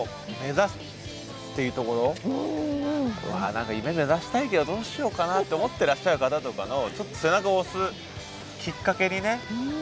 何か夢目指したいけどどうしようかなって思ってらっしゃる方とかのちょっと背中を押すキッカケにねなったんじゃないのかなと。